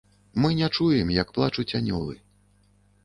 Мы не чуем, як плачуць анёлы.